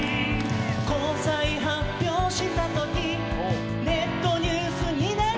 「交際発表したときネットニュースになりました」